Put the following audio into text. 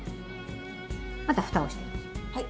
またふたをしていきます。